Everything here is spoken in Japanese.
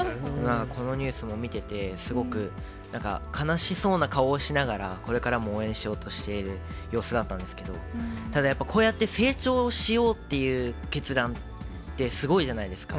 このニュースも見てて、すごくなんか悲しそうな顔をしながら、これからも応援しようとしている様子だったんですけれども、ただやっぱり、こうやって成長しようっていう決断ってすごいじゃないですか。